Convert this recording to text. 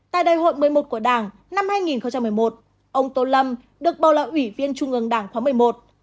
tại đại hội một mươi một của đảng năm hai nghìn một mươi một ông tô lâm được bầu là ủy viên trung ương đảng khóa một mươi một